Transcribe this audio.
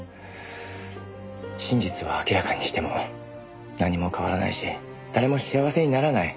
真実を明らかにしても何も変わらないし誰も幸せにならない。